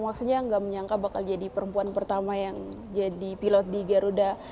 maksudnya nggak menyangka bakal jadi perempuan pertama yang jadi pilot di garuda